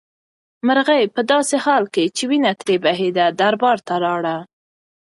مرغۍ په داسې حال کې چې وینه ترې بهېده دربار ته لاړه.